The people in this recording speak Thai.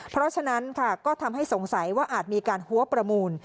เพราะฉะนั้นค่ะก็ทำให้สงสัยว่าอาจมีการหัวประมูล